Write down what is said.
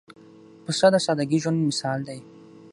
پسه د سادګۍ ژوندى مثال دی.